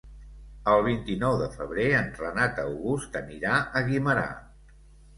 El vint-i-nou de febrer en Renat August anirà a Guimerà.